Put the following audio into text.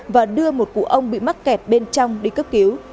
và đưa một cụ ông bị mắc kẹt bên trong đi cấp cứu